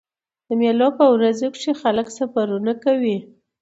د مېلو په ورځو کښي خلک سفرونه کوي.